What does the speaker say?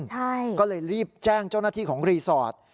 ใช่ก็เลยรีบแจ้งเจ้าหน้าที่ของรีสอร์ท